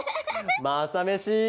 「マサメシ」。